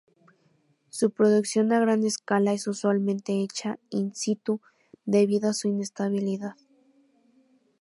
Su producción a gran escala es usualmente hecha "in situ" debido a su inestabilidad.